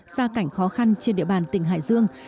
xa cảnh khó khăn trên địa bàn tỉnh hải dương